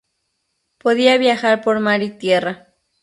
Podía viajar por mar y tierra.